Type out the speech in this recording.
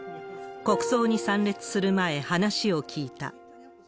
国葬に参列する前、話を聞いた。